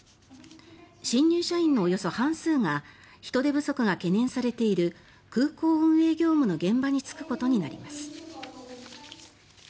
新入社員のおよそ半数が人手不足が懸念されている空港運営業務の現場に就くことになります。